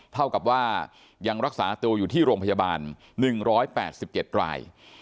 เท่ากับว่ายังรักษาตัวอยู่ที่โรงพยาบาล๑๘๗ราย